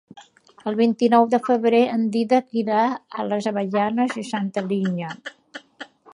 El vint-i-nou de febrer en Dídac irà a les Avellanes i Santa Linya.